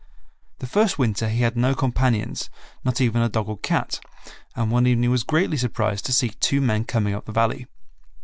The first winter he had no companions, not even a dog or cat, and one evening was greatly surprised to see two men coming up the Valley.